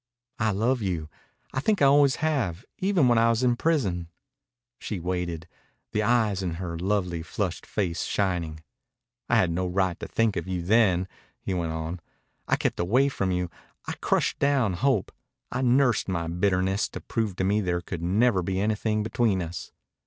I love you. I think I always have even when I was in prison." She waited, the eyes in her lovely, flushed face shining. "I had no right to think of you then," he went on. "I kept away from you. I crushed down hope. I nursed my bitterness to prove to me there could never be anything between us.